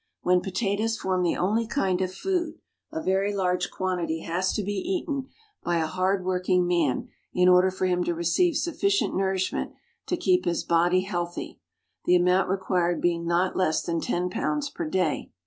When potatoes form the only kind of food, a very large quantity has to be eaten by a hard working man in order for him to receive sufficient nourishment to keep his body healthy, the amount required being not less than ten pounds per day.